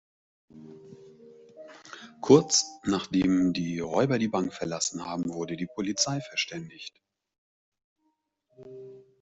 Kurz, nachdem die Räuber die Bank verlassen haben, wurde die Polizei verständigt.